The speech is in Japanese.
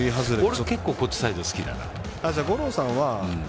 俺は結構こっちサイド好きだな。